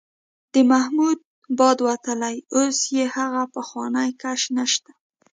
د محمود باد وتلی، اوس یې هغه پخوانی کش نشته.